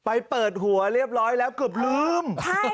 ไปเปิดหัวเรียบร้อยแล้วเกือบลืม